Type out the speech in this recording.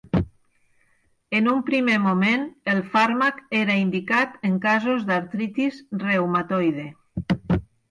En un primer moment, el fàrmac era indicat en casos d'artritis reumatoide.